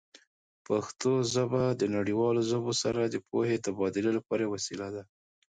پښتو ژبه د نړیوالو ژبو سره د پوهې تبادله لپاره یوه وسیله ده.